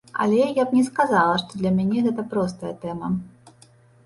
Але я б не сказала што для мяне гэта простая тэма.